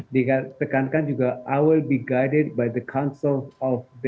dikatakan juga i will be guided by the concept of the future jadi saya akan bergantung kepada